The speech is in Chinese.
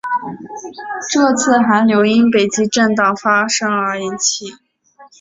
这次寒流因北极震荡发生而引起。